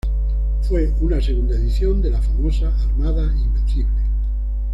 Fue una segunda edición de la famosa "Armada Invencible".